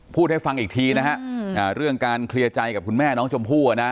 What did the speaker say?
พูดให้ฟังอีกทีนะฮะเรื่องการเคลียร์ใจกับคุณแม่น้องชมพู่